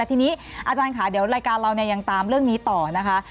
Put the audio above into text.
ทีนี้อาจารย์ค่ะเดี๋ยวรายการเรายังตามเรื่องนี้ต่อนะคะ